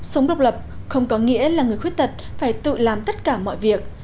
sống độc lập không có nghĩa là người khuyết tật phải tự làm tất cả mọi việc